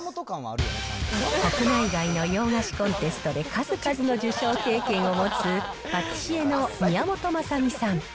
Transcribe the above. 国内外の洋菓子コンテストで数々の受賞経験を持つパティシエの宮本雅巳さん。